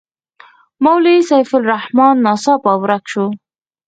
مولوي سیف الرحمن ناڅاپه ورک شو.